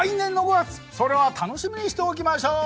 それは楽しみにしておきましょう。